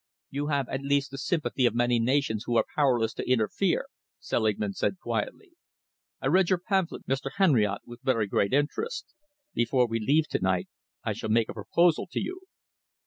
"You have at least the sympathy of many nations who are powerless to interfere," Selingman said quietly. "I read your pamphlet, Mr. Henriote, with very great interest. Before we leave to night, I shall make a proposal to you."